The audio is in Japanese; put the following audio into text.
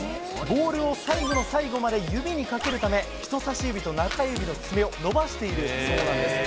ボールを最後の最後まで指にかけるため、人さし指と中指の爪を伸ばしているそうなんです。